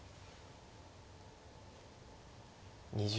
２０秒。